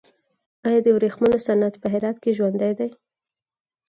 آیا د ورېښمو صنعت په هرات کې ژوندی دی؟